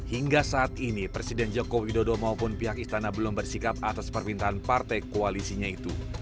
hingga saat ini presiden joko widodo maupun pihak istana belum bersikap atas permintaan partai koalisinya itu